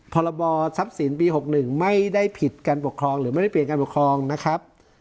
พรบทรัพย์สินปี๖๑ไม่ได้ผิดการปกครองหรือไม่ได้เปลี่ยนการปกครองนะครับ